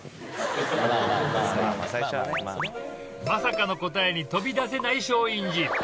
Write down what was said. まさかの答えに飛び出せない松陰寺